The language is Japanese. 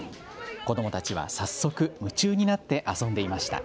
子どもたちは早速、夢中になって遊んでいました。